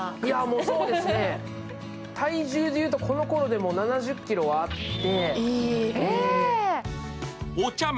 そうですね、体重で言うとこのころで７０ｋｇはあって。